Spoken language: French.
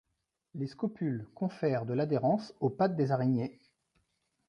Les scopules confèrent de l'adhérence aux pattes des araignées.